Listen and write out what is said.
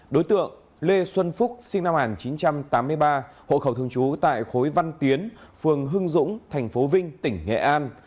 đối tượng lê xuân phúc sinh năm một nghìn chín trăm tám mươi ba hộ khẩu thường trú tại khối văn tiến phường hưng dũng tp vinh tỉnh nghệ an